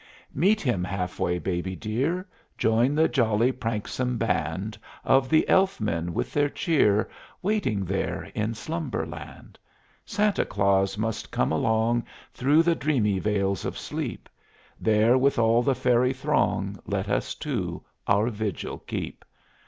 Meet him half way, Baby dear Join the jolly pranksome band Of the Elf men with their cheer Waiting there in Slumberland. Santa Claus must come along Through the dreamy vales of Sleep. There with all the Fairy throng Let us too our vigil keep.